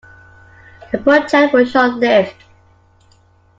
The project was short-lived.